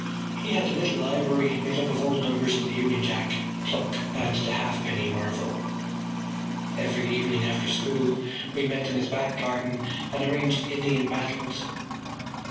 He had a little library made up of old numbers of The Union Jack, Pluck and The Halfpenny Marvel. Every evening after school we met in his back garden and arranged Indian battles.